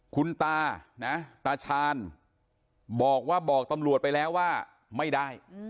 คุณตานะตาชาญบอกว่าบอกตำรวจไปแล้วว่าไม่ได้